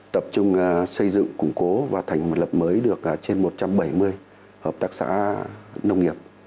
tập trung xây dựng củng cố và thành một lập mới được trên một trăm bảy mươi hợp tác xã nông nghiệp